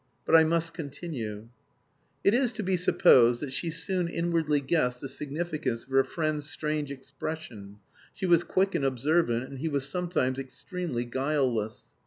But I must continue. It is to be supposed that she soon inwardly guessed the significance of her friend's strange expression; she was quick and observant, and he was sometimes extremely guileless.